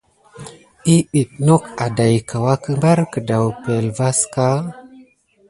Eppipe nok adaïka wake bari kedaou epəŋle vaka.